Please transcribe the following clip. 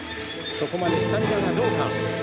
そこまでスタミナはどうか。